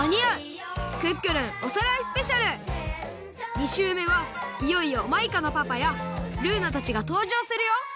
２しゅうめはいよいよマイカのパパやルーナたちがとうじょうするよ！